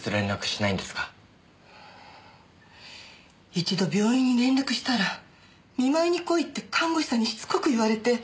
一度病院に連絡したら見舞いに来いって看護師さんにしつこく言われて。